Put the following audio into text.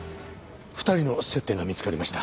２人の接点が見つかりました。